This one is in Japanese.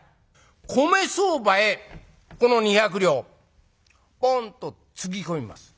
米相場へこの２百両ポンとつぎ込みます。